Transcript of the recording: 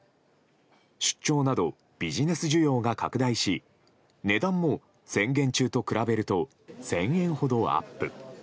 出張などビジネス需要が拡大し値段も宣言中と比べると１０００円ほどアップ。